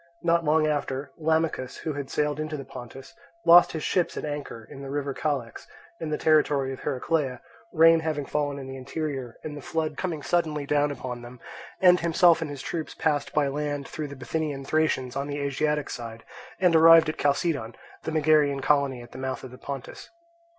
Not long after, Lamachus, who had sailed into the Pontus, lost his ships at anchor in the river Calex, in the territory of Heraclea, rain having fallen in the interior and the flood coming suddenly down upon them; and himself and his troops passed by land through the Bithynian Thracians on the Asiatic side, and arrived at Chalcedon, the Megarian colony at the mouth of the Pontus.